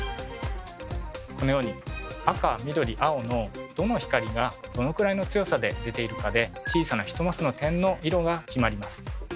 このように赤緑青のどの光がどのくらいの強さで出ているかで小さな１マスの点の色が決まります。